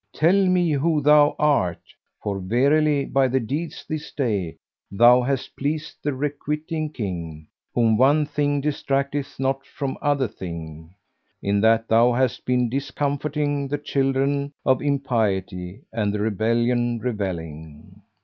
tell me who thou art: for verily by thy deeds this day thou hast pleased the Requiting King, whom one thing distracteth not from other thing; in that thou hast been discomforting the children of impiety and in rebellion revelling."